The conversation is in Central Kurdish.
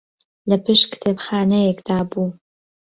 لە پشت کتێبخانەیەکدا بوو